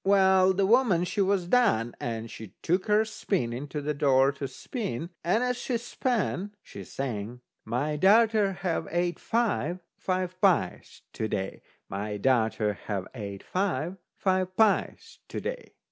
Well, the woman she was done, and she took her spinning to the door to spin, and as she span she sang: "My darter ha' ate five, five pies to day. My darter ha' ate five, five pies to day."